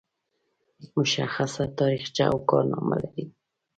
مشخصه تاریخچه او کارنامه لري.